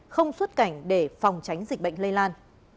không xuất cảnh để phòng tránh dịch bệnh lây lan